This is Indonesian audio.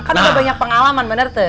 kan udah banyak pengalaman bener tete